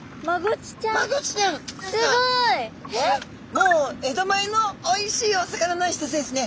もう江戸前のおいしいお魚の一つですね。